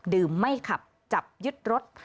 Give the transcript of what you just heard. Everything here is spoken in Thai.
ดื่มไม่ขับจับยึดรถ